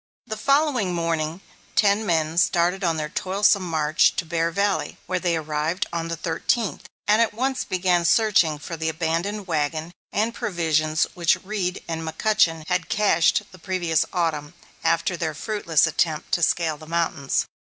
The following morning ten men started on their toilsome march to Bear Valley, where they arrived on the thirteenth, and at once began searching for the abandoned wagon and provisions which Reed and McCutchen had cached the previous Autumn, after their fruitless attempt to scale the mountains.